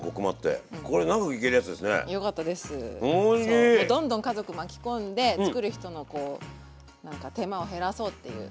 そうどんどん家族巻き込んで作る人の手間を減らそうっていう。